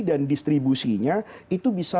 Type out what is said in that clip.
dan distribusinya itu bisa